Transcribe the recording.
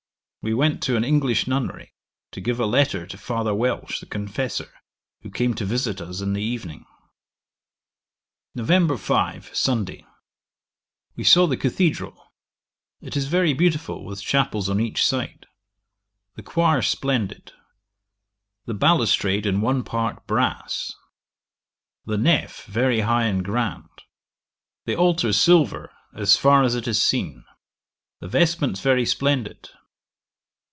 We went to an English nunnery, to give a letter to Father Welch, the confessor, who came to visit us in the evening. 'Nov. 5. Sunday. We saw the cathedral. It is very beautiful, with chapels on each side. The choir splendid. The balustrade in one part brass. The Neff very high and grand. The altar silver as far as it is seen. The vestments very splendid.